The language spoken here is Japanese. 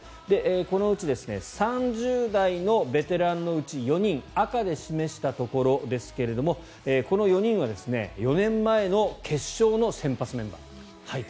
このうち３０代のベテランのうち４人赤で示したところですがこの４人は４年前の決勝の先発メンバー。